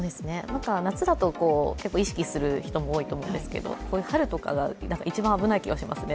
夏だと意識する人も多いと思うんですけど春とかは一番危ない気がしますね。